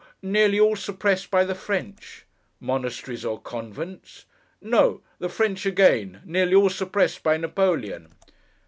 Nearly all suppressed by the French.' 'Monasteries or convents?' 'No. The French again! Nearly all suppressed by Napoleon.